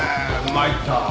参った。